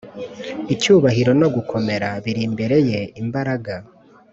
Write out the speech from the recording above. Icyubahiro no gukomera biri imbere ye Imbaraga